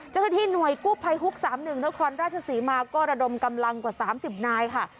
เจ้าที่หน่วยกุ๊บไพฮุกสามหนึ่งราชศรีมาก็ระดมกำลังกว่าสามสิบนายค่ะ